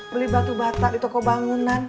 beli batu batak di toko bangunan